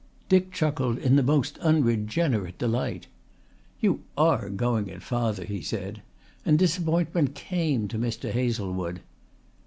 Dick chuckled in the most unregenerate delight. "You are going it, father," he said, and disappointment came to Mr. Hazlewood.